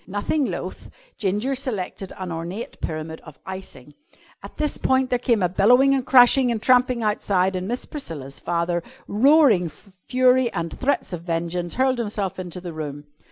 Nothing loth, Ginger selected an ornate pyramid of icing. At this point there came a bellowing and crashing and tramping outside and Miss Priscilla's father, roaring fury and threats of vengeance, hurled himself into the room.